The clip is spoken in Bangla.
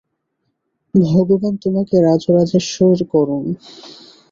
ভগবান তোমাকে রাজরাজেশ্বর করুন।